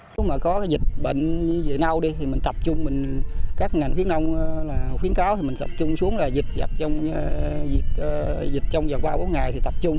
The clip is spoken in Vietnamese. nếu mà có dịch bệnh như dịch nâu thì mình tập trung các ngành khuyến đông khuyến cáo thì mình tập trung xuống là dịch dập trong dịch trong vòng ba bốn ngày thì tập trung